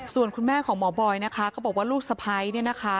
ส่วนคุณแม่ของหมอบอยนะคะก็บอกว่าลูกสะพ้ายเนี่ยนะคะ